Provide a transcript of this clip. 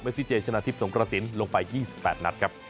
เมซิเจฉนาทิพย์สงครสินทร์ลงไป๒๘นัดครับ